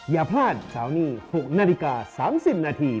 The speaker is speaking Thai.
อย่าพลาดเสาร์นี้๖นาฬิกา๓๐นาที